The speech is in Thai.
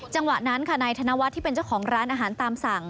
จังหวะนั้นค่ะนายธนวัฒน์ที่เป็นเจ้าของร้านอาหารตามสั่ง